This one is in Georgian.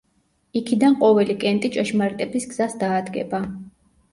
იქიდან ყოველი კენტი ჭეშმარიტების გზას დაადგება.